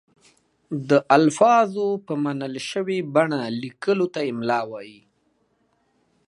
د الفاظو په منل شوې بڼه لیکلو ته املاء وايي.